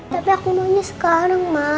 tapi aku mau nyus sekarang ma